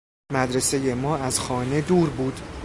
مدرسهٔ ما از خانه دور بود